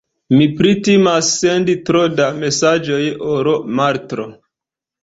Mi pli timas sendi tro da mesaĝoj ol maltro.